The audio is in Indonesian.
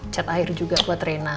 cet air juga buat rina